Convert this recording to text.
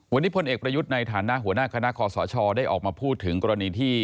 วันนี้พลเอกประยุทธ์ในฐานะหัวหน้าคณะคอสชได้ออกมาพูดถึงกรณีที่